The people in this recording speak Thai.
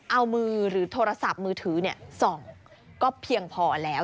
เอามือหรือโทรศัพท์มือถือส่องก็เพียงพอแล้ว